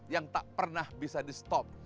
yang tak pernah bisa di stop